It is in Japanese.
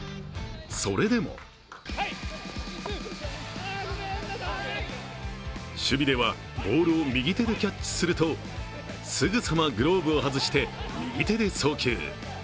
それでも守備ではボールを右手でキャッチするとすぐさまグローブを外して右手で送球。